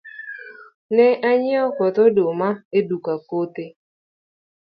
Na nyiewo koth oduma e duka kothe.